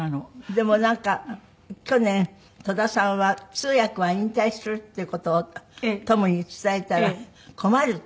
でもなんか去年戸田さんは通訳は引退するっていう事をトムに伝えたら「困る」って。